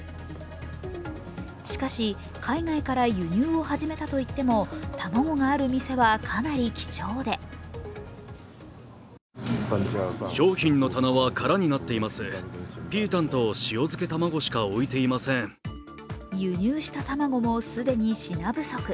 しかし、海外から輸入を始めたといっても卵がある店はかなり貴重で輸入した卵も既に品不足。